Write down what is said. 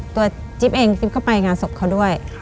ตัวจิ๊บเองจิ๊บก็ไปงานศพเขาด้วย